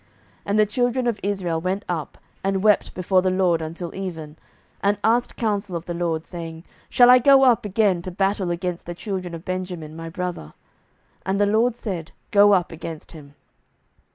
07:020:023 (And the children of Israel went up and wept before the LORD until even, and asked counsel of the LORD, saying, Shall I go up again to battle against the children of Benjamin my brother? And the LORD said, Go up against him.)